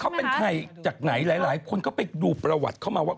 เขาเป็นใครจากไหนหลายคนก็ไปดูประวัติเข้ามาว่า